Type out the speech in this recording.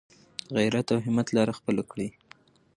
د غیرت او همت لاره خپله کړئ.